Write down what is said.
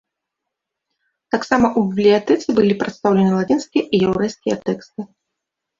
Таксама ў бібліятэцы былі прадстаўлены лацінскія і яўрэйскія тэксты.